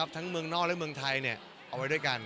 ทั้งเมืองนอกและเมืองไทยเอาไว้ด้วยกัน